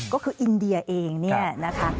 ก็คืออินเดียเองนะคะ